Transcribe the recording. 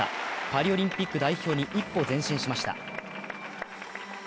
パリオリンピック代表に一歩前進しました。